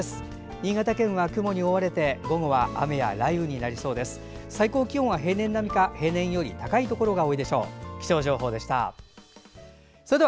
新潟県は雲に覆われて、午後は雨や雷雨になりそうです。